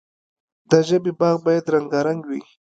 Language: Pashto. د ژبې باغ باید رنګارنګ وي.